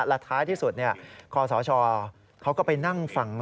และในจากที่สุดเนี่ยะคอสอชอเขาก็ไปนั่งฟังด้วยนะฮะ